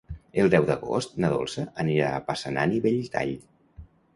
El deu d'agost na Dolça anirà a Passanant i Belltall.